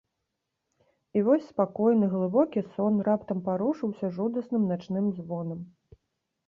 І вось спакойны, глыбокі сон раптам парушыўся жудасным начным звонам.